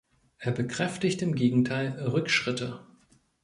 Er bekräftigt im Gegenteil Rückschritte.